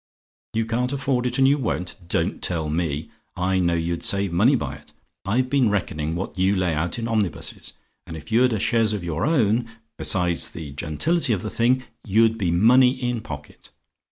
"YOU CAN'T AFFORD IT, AND YOU WON'T? "Don't tell me: I know you'd save money by it. I've been reckoning what you lay out in omnibuses; and if you'd a chaise of your own besides the gentility of the thing you'd be money in pocket.